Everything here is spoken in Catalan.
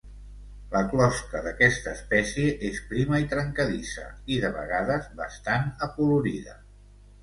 La closca d'aquesta espècie és prima i trencadissa i, de vegades, bastant acolorida.